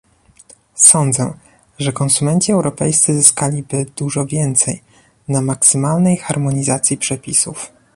Sądzę, że konsumenci europejscy zyskaliby dużo więcej na maksymalnej harmonizacji przepisów